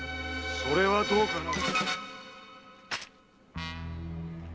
それはどうかな？